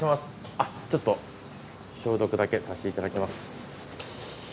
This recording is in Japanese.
あっちょっと消毒だけさせていただきます。